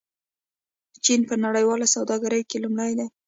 چین په نړیواله سوداګرۍ کې لومړی دی.